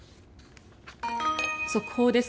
速報です。